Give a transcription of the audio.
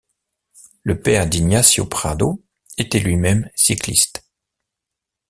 Le père d'Ignacio Prado était lui-même cycliste.